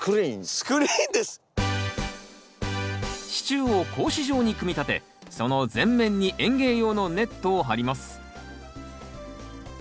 支柱を格子状に組み立てその全面に園芸用のネットを張ります。